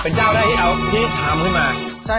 เป็นเจ้าได้เหี้ยข้ามขึ้นมา